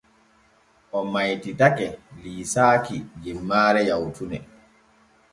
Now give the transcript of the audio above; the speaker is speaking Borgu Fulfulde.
O maytitake liisaaki jemmaare yawtune.